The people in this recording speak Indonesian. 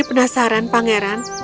aku penasaran pangeran